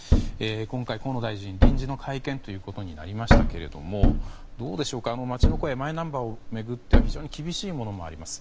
今回、河野大臣は臨時の会見となりましたがどうでしょう、街の声マイナンバーを巡っては非常に厳しいものもあります。